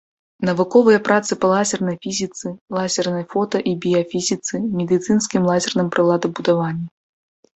Навуковыя працы па лазернай фізіцы, лазернай фота- і біяфізіцы, медыцынскім лазерным прыладабудаванні.